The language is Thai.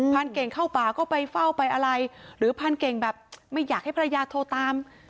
เก่งเข้าป่าก็ไปเฝ้าไปอะไรหรือพรานเก่งแบบไม่อยากให้ภรรยาโทรตาม